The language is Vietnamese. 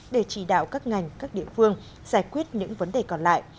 để chỉ đạo các ngành các địa phương giải quyết những vấn đề còn lại